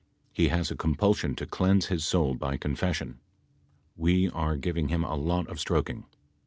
He has a compulsion to cleanse his soul by confession. We are giving him a lot of stroking.